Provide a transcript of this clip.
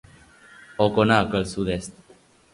Ho conec, al sud-est.